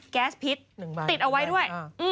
แก๊สพิษติดเอาไว้ด้วย